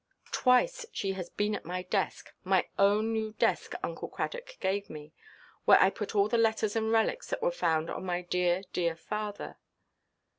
Twice she has been at my desk, my own new desk Uncle Cradock gave me, where I put all the letters and relics that were found on my dear, dear father."